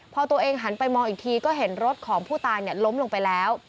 พอตัวเองหันไปมองอีกทีก็เห็นรถของผู้ตายล้มลงไปแล้ว